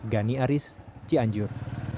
gani aris cianjur